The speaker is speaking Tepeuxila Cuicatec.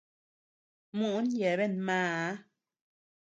Muʼün yebean maa.